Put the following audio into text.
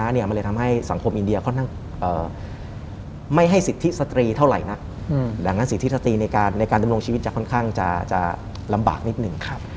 หลังจากสิทธิสัตรีในการตำรวงชีวิตค่อนข้างจะลำบากนิดหนึ่ง